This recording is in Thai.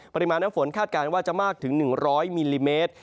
ปริมาณน้ำฝนคาดการณ์ว่าจะมากถึง๑๐๐มิลลิเมตร